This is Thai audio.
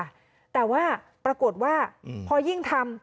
ในธุรกิจค่ะแต่ว่าปรากฏว่าพอยิ่งทำ